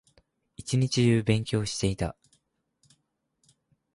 一日中勉強していた